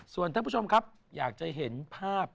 ส่วนท่านผู้ชมครับอยากจะเห็นภาพ